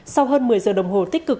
sau hơn một mươi giờ đồng hồ tích cực